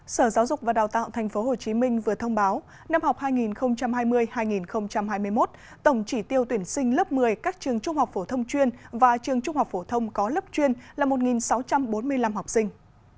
sở giáo dục và đào tạo tp hcm vừa thông báo năm học hai nghìn hai mươi hai nghìn hai mươi một tổng chỉ tiêu tuyển sinh lớp một mươi các trường trung học phổ thông chuyên và trường trung học phổ thông có lớp chuyên là một sáu trăm bốn mươi năm học sinh